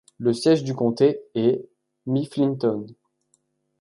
Le siège du comté est Mifflintown.